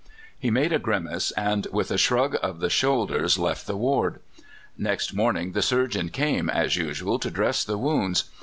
He made a grimace, and with a shrug of the shoulders left the ward. Next morning the surgeon came, as usual, to dress the wounds.